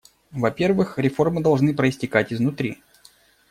Во-первых, реформы должны проистекать изнутри.